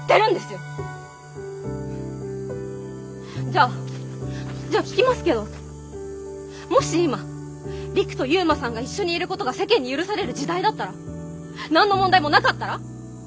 じゃあじゃあ聞きますけどもし今陸と悠磨さんが一緒にいることが世間に許される時代だったら？何の問題もなかったら？